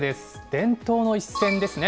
伝統の一戦ですね。